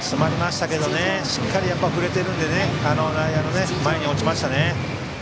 しっかり振れているので外野の前に落ちましたね。